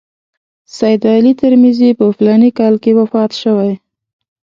سید علي ترمذي په فلاني کال کې وفات شوی.